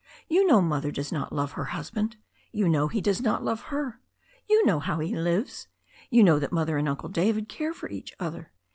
You know Mother does not love her husband. You know he does not love her. You know how he lives. You know that Mother and Uncle David care for each other.